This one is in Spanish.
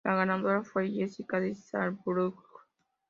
La ganadora fue Jessica de Saarbrücken.